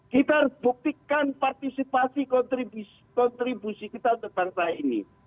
kita harus buktikan partisipasi kontribusi kita untuk bangsa ini